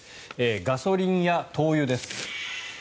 ガソリンや灯油です。